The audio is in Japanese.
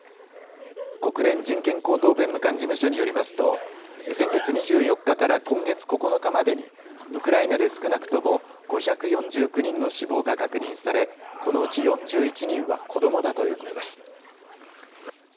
国連人権高等弁務官事務所によりますと先月２４日から今月９日までにウクライナで少なくとも５４９人の死亡が確認されこのうち４１人は子どもだということです。